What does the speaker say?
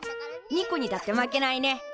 ニコにだって負けないね！